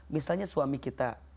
misalnya suami kita